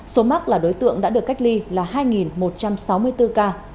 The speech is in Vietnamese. số mắc là đối tượng đã được cách ly là hai một trăm sáu mươi bốn ca